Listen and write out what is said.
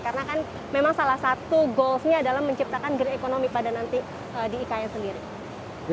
karena kan memang salah satu goals nya adalah menciptakan grid ekonomi pada nanti di ika yang sendiri